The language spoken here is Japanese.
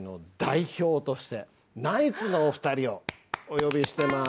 のお二人をお呼びしてます。